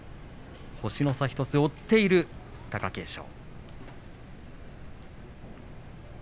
星の差１つで追っている貴景勝。